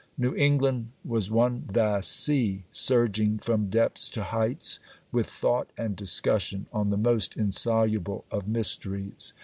New England was one vast sea, surging from depths to heights with thought and discussion on the most insoluble of mysteries.